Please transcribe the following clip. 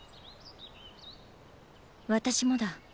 私もだ。